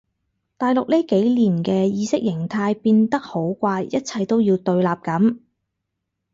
大陸呢幾年嘅意識形態變得好怪一切都要對立噉